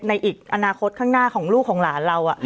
ในอีกอนาคตข้างหน้าของลูกของหลานเรา